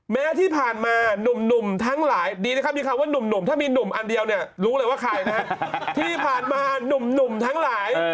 แม้ที่ผ่านมาหนุ่มทั้งหลายดีนะครับมีคำว่าหนุ่มที่มีหนุ่มอันเดียวเนี่ย